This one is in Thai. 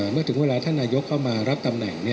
เมื่อถึงเวลาท่านนายกเข้ามารับตำแหน่ง